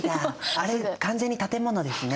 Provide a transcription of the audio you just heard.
あれ完全に建物ですね。